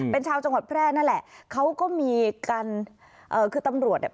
เป็นชาวจังหวัดแพร่นั่นแหละเขาก็มีการเอ่อคือตำรวจเนี่ย